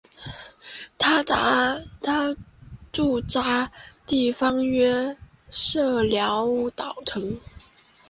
他驻扎地方约是社寮岛城。